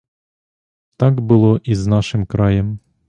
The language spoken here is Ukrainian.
Так було і з нашим краєм.